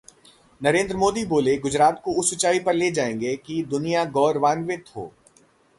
नरेंद्र मोदी बोले- गुजरात को उस ऊंचाई पर ले जाएंगे कि दुनिया गौरवान्वित हो